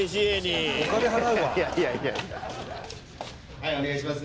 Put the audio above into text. はいお願いします。